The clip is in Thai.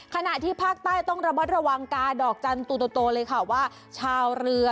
ขณะที่ภาคใต้ต้องระมัดระวังกาดอกจันทร์ตัวโตเลยค่ะว่าชาวเรือ